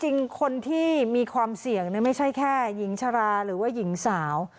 จริงคนที่มีความเสี่ยงไม่ใช่แค่หญิงชราหรือว่าหญิงสาว